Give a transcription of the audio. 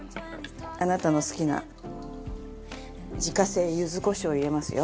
あなたの好きな自家製ユズコショウを入れますよ。